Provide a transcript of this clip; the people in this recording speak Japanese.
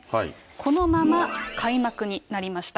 このまま開幕になりました。